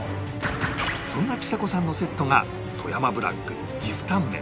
そんなちさ子さんのセットが富山ブラック岐阜タンメン